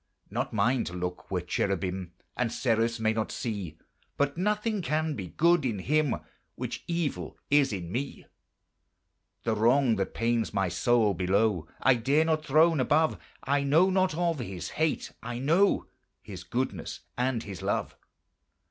Not mine to look where cherubim And seraphs may not see, But nothing can be good in Him Which evil is in me. The wrong that pains my soul below I dare not throne above, I know not of His hate, I know His goodness and His love.